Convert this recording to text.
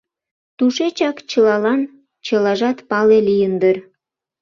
Тушечак чылалан чылажат пале лийын дыр.